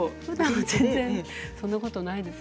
全然そんなことはないです。